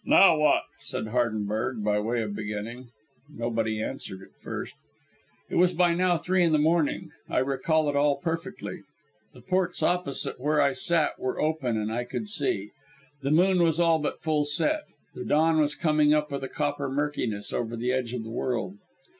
"Now what?" said Hardenberg, by way of beginning. Nobody answered at first. It was by now three in the morning. I recall it all perfectly. The ports opposite where I sat were open and I could see. The moon was all but full set. The dawn was coming up with a copper murkiness over the edge of the world.